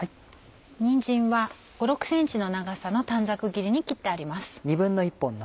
にんじんは５６ｃｍの長さの短冊切りに切ってあります。